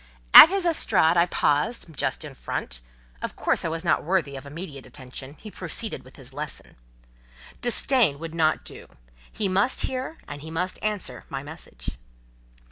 At his estrade I paused, just in front; of course I was not worthy of immediate attention: he proceeded with his lesson. Disdain would not do: he must hear and he must answer my message.